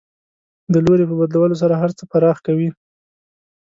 د لوري په بدلولو سره هر څه پراخ کوي.